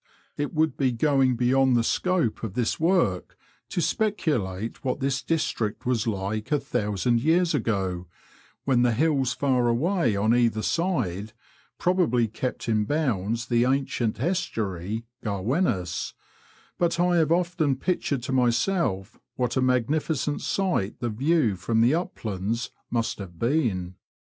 It would be going beyond the scope of this work to speculate what this district was like a thousand years ago, when the hills far away on either side probably kept in Digitized by VjOOQIC NOBWICH TO LOWESTOFT. IS bounds the ancient estuary, Garruenos, but I have often pictured to myself what a magnificent sight the view from the uplands must have been.